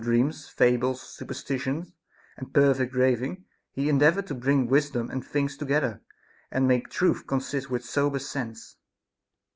dreams, fables, superstitions, and perfect raving, he endeavored to bring wisdom and things together, and make truth consist with sober sense.